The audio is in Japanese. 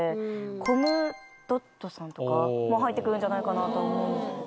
コムドットさんとかも入ってくるんじゃないかなと思うんですけど。